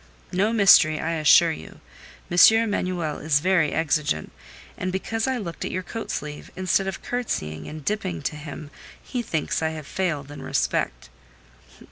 "No mystery, I assure you. M. Emanuel is very exigeant, and because I looked at your coat sleeve, instead of curtseying and dipping to him, he thinks I have failed in respect."